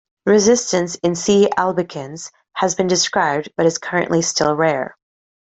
Resistance in "C. albicans" has been described, but is currently still rare.